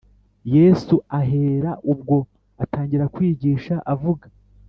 Yesu ahera ubwo atangira kwigisha avuga